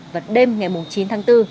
và đêm ngày chín tháng bốn